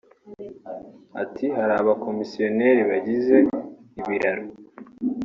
Ati “Hari abakomisiyoneri bigize ibiraro